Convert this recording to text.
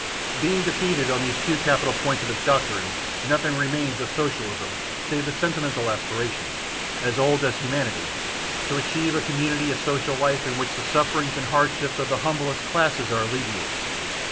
Being defeated on these two capital points of its doctrine, nothing remains of Socialism save the sentimental aspiration as old as humanity to achieve a community of social life in which the sufferings and hardships of the humblest classes are alleviated.